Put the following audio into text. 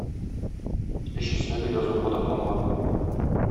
Өчесенә дә язу кадакланган.